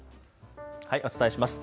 お伝えします。